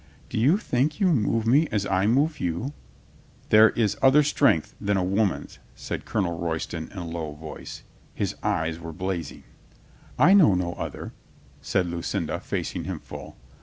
"Do you think you move me as I move you?" "There is other strength than a woman's," said Colonel Royston in a low voice. His eyes were blazing. "I know no other," said Lucinda, facing him full.